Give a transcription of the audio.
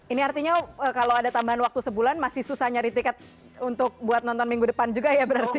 ini artinya kalau ada tambahan waktu sebulan masih susah nyari tiket untuk buat nonton minggu depan juga ya berarti